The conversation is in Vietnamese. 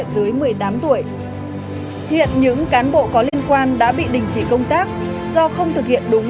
dưới một mươi tám tuổi hiện những cán bộ có liên quan đã bị đình chỉ công tác do không thực hiện đúng